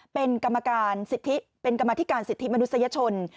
เป็นกรรมการสิทธิเป็นกรรมธิการสิทธิมนุษยชน